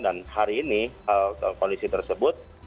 dan hari ini kondisi tersebut